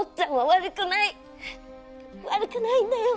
悪くないんだよ。